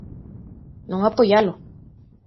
Non apoialo.